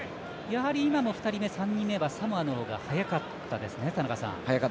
２人目３人目はサモアのほうが速かったですか。